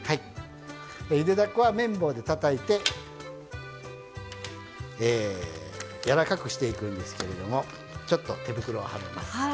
ゆでだこは麺棒でたたいてやわらかくしていくんですけどもちょっと手袋をはめます。